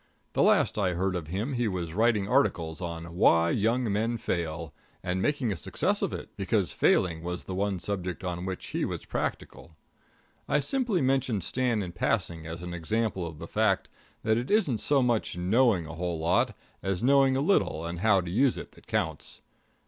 The last I heard of him he was writing articles on Why Young Men Fail, and making a success of it, because failing was the one subject on which he was practical. I simply mention Stan in passing as an example of the fact that it isn't so much knowing a whole lot, as knowing a little and how to use it that counts.